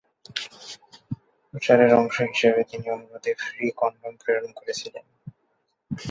প্রচারের অংশ হিসাবে, তিনি অনুরোধে ফ্রি কনডম প্রেরণ করেছিলেন।